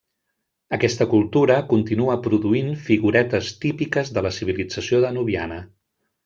Aquesta cultura continua produint figuretes típiques de la civilització danubiana.